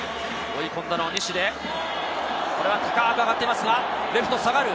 追い込んだのは西で、これは高く上がっていますが、レフト下がる。